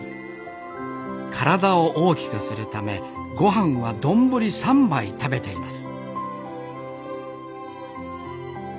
体を大きくするためご飯は丼３杯食べています